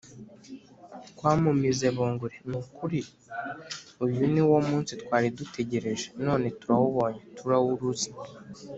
Twamumize bunguri, Ni ukuri uyu ni wo munsi twari dutegereje, None turawubonye, turawuruzi.